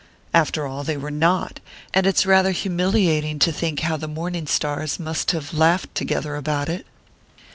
After all, they were not; and it's rather humiliating to think how the morning stars must have laughed together about it!"